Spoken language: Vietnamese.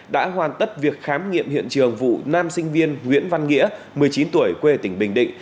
đã hoàn tất việc khám nghiệm hiện trường vụ nam sinh viên nguyễn văn nghĩa một mươi chín tuổi quê tỉnh bình định